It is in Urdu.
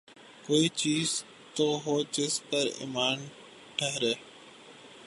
کوئی چیز تو ہو جس پہ ایمان ٹھہرے۔